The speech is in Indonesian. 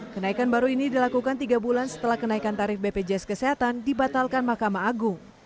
kenaikan baru ini dilakukan tiga bulan setelah kenaikan tarif bpjs kesehatan dibatalkan mahkamah agung